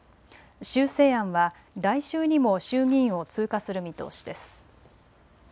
修正案は来週にも衆議院を通過する見通しです。